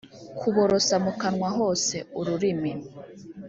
kuborosa mu kanwa hose (ururimi